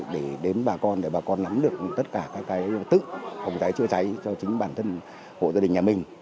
để đến bà con để bà con lắm được tất cả các tự phòng cháy chữa cháy cho chính bản thân hộ gia đình nhà mình